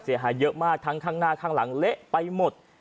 เสียหายเยอะมากทั้งข้างหน้าข้างหลังเละไปหมด